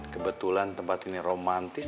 kebetulan tempat ini romantis